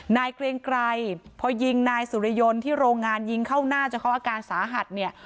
เกรียงไกรพอยิงนายสุริยนต์ที่โรงงานยิงเข้าหน้าจนเขาอาการสาหัสเนี่ย